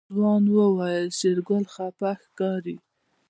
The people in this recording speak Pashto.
ځوان وويل شېرګل خپه ښکاري.